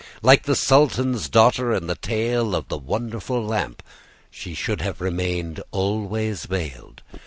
Like the Sultan's daughter in the tale of the Wonderful Lamp, she should have remained always veiled.